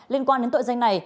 liên quan đến tội doanh này